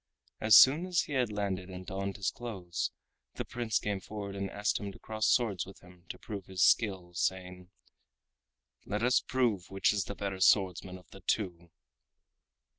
As soon as he had landed and donned his clothes, the Prince came forward and asked him to cross swords with him to prove his skill, saying: "Let us two prove which is the better swordsman of the two!"